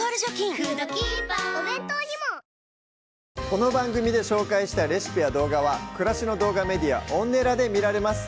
この番組で紹介したレシピや動画は暮らしの動画メディアＯｎｎｅｌａで見られます